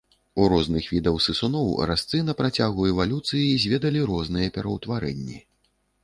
У розных відаў сысуноў разцы на працягу эвалюцыі зведалі розныя пераўтварэнні.